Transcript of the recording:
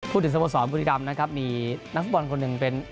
พูดถึงสมสอบบุริกรรมนะครับมีนักฟุตบอลคนหนึ่งเป็น